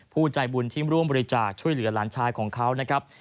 ผู้ใจบุญที่ร่วมบริจาคช่วยเหลือหลานชายของเขานะครับ